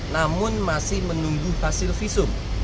namun masih menunggu hasil visum